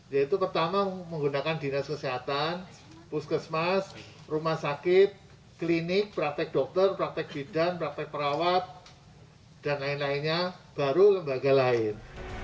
yaitu pertama menggunakan dinas kesehatan puskesmas rumah sakit klinik praktek dokter praktek bidan praktek perawat dan lain lainnya baru lembaga lain